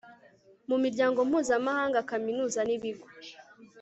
mu miryango mpuzamahanga kaminuza n ibigo